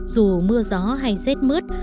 dù mưa gió hay rết mướt